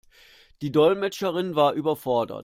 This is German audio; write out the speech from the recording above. Die Dolmetscherin war überfordert.